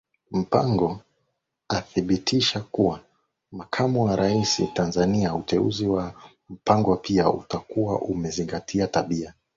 Mpango athibitishwa kuwa Makamu wa Rais TanzaniaUteuzi wa Mpango pia utakuwa umezingatia tabia